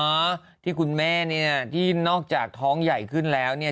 เพราะว่าที่คุณแม่นี่น่ะที่นอกจากท้องใหญ่ขึ้นแล้วนี่